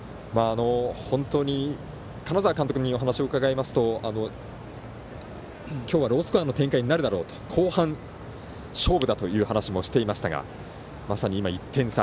金沢監督にお話を伺いますと今日はロースコアの展開になるだろうと後半勝負だという話もしていましたがまさに今、１点差。